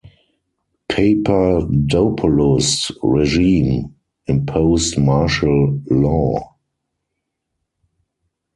Papadopoulos' regime imposed martial law.